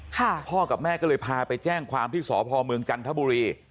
พ่อกับแม่ก็เลยพาไปแจ้งความที่สพเมืองจันทบุรี